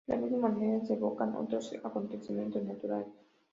De la misma manera se evocan otros acontecimientos naturales.